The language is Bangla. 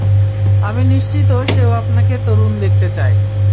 আমি নিশ্চিত সেও আপনাকে তরুণ দেখতে চাই।